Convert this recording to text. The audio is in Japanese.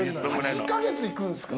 ８か月行くんですか？